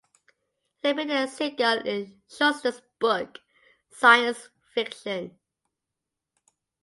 He appeared in Siegel and Shuster's book "Science Fiction".